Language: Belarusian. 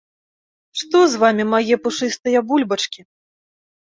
Што з вамі, мае пушыстыя бульбачкі?